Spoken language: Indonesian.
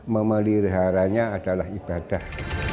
memeliharanya adalah ibadah